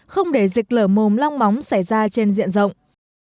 không để dịch lở mồm long móng xảy ra trên diện rộng